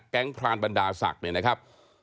แก๊งพรานบรรดาศักดิ์นี่นะครับ